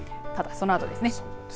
ただ、そのあとです。